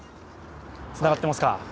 つながってますか？